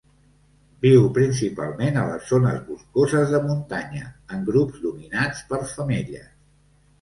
Viu principalment a les zones boscoses de muntanya en grups dominats per femelles.